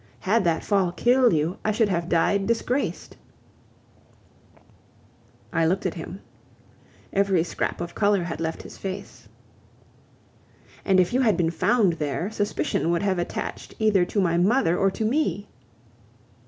Had that fall killed you, I should have died disgraced..." I looked at him. Every scrap of color had left his face. "And if you had been found there, suspicion would have attached either to my mother or to me..."